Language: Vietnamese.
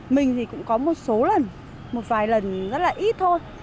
mình thì cũng có một số lần một vài lần rất là ít thôi